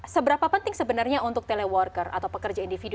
seberapa penting sebenarnya untuk teleworker atau pekerja individu